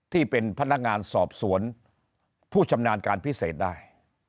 ที่เป็นพนักงานสอบสวนผู้ชำนาญการพิเศษได้